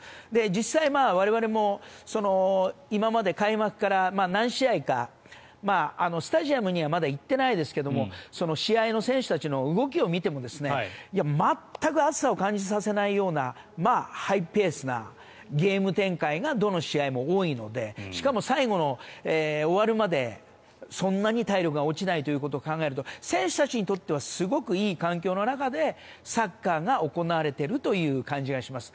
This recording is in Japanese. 実際に我々も今まで開幕から何試合かスタジアムにはまだ行ってないですが試合の選手たちの動きを見ても全く暑さを感じさせないようなハイペースなゲーム展開がどの試合も多いのでしかも最後に終わるまでそんなに体力が落ちないということを考えると選手たちにとってはすごくいい環境の中でサッカーが行われているという感じがします。